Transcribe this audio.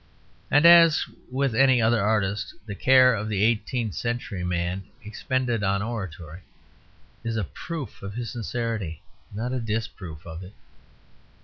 And as with any other artist, the care the eighteenth century man expended on oratory is a proof of his sincerity, not a disproof of it.